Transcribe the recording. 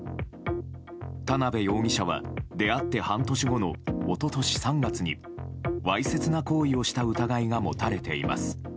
田辺容疑者は出会って半年後の一昨年３月にわいせつな行為をした疑いが持たれています。